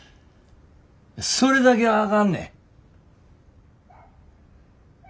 それだけはあかんね。